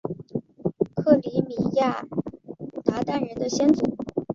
克里米亚鞑靼人的先祖？